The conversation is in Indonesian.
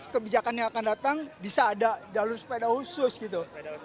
kebijakan yang akan datang bisa ada jalur sepeda khusus gitu